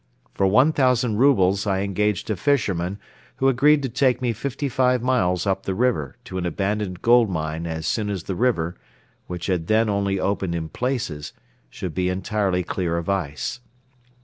For one thousand roubles I engaged a fisherman who agreed to take me fifty five miles up the river to an abandoned gold mine as soon as the river, which had then only opened in places, should be entirely clear of ice.